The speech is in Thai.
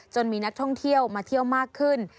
มีนักท่องเที่ยวมาเที่ยวมากขึ้น